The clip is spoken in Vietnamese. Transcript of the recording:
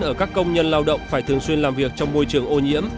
ở các công nhân lao động phải thường xuyên làm việc trong môi trường ô nhiễm